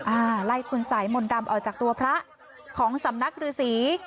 อ่าไล่คุณสายมนต์ดำออกจากตัวพระของสำนักฤษี